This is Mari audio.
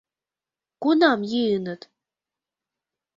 — Кунам йӱыныт?